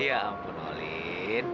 ya ampun olin